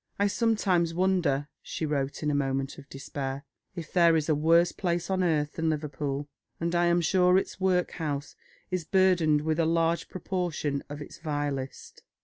"I sometimes wonder," she wrote, in a moment of despair, "if there is a worse place on earth than Liverpool, and I am sure its workhouse is burdened with a large proportion of its vilest."